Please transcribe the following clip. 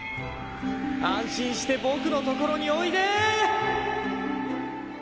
安心して僕のところにおいで！